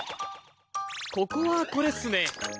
ここはこれっすね。